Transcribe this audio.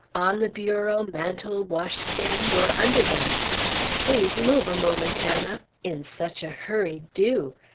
On the bureau, mantel, washstand, or under them? "Please move a moment, Anna!" In such a hurry, do!